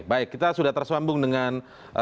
baik kita sudah tersambung dengan